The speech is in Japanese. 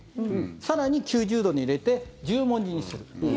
更に９０度に入れて十文字にする。